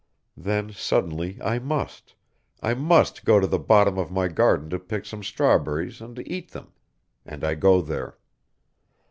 Then suddenly, I must, I must go to the bottom of my garden to pick some strawberries and eat them, and I go there.